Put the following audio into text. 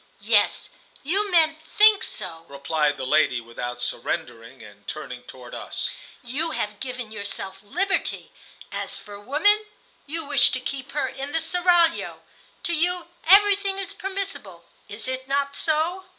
"Yes, you men think so," replied the lady, without surrendering, and turning toward us. "You have given yourself liberty. As for woman, you wish to keep her in the seraglio. To you, everything is permissible. Is it not so?"